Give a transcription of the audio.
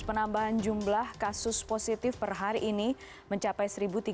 penambahan jumlah kasus positif per hari ini mencapai satu tiga ratus